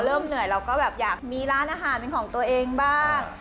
เหนื่อยเราก็แบบอยากมีร้านอาหารเป็นของตัวเองบ้าง